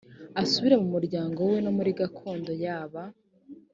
asubire mu muryango we no muri gakondo ya ba